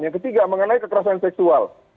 yang ketiga mengenai kekerasan seksual